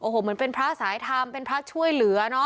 โอ้โหเหมือนเป็นพระสายธรรมเป็นพระช่วยเหลือเนอะ